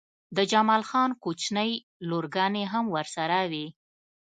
د جمال خان کوچنۍ لورګانې هم ورسره وې